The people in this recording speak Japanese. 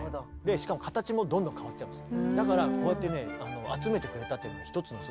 しかも形もどんどん変わっちゃうんです。